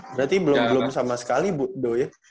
berarti belum sama sekali bu doya